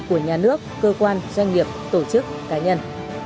của nhà nước cơ quan doanh nghiệp tổ chức cá nhân